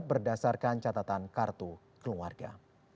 berdasarkan catatan kartu keluarga